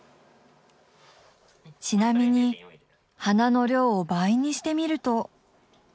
ちなみに花の量を倍にしてみると。